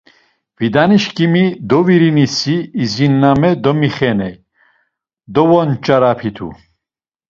Fidanişǩimi dovorinisi izinlame domixeney, dovonç̌arapitu.